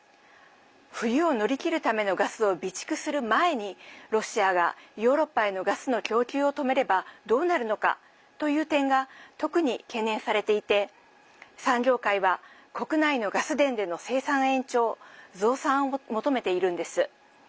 冬を乗り切るためのガスを備蓄する前にロシアがヨーロッパへのガスの供給を止めればどうなるのかという点が特に懸念されていて産業界は国内のガス田での生産延長増産を求めているんです。